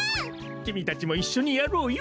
きみたちもいっしょにやろうよ。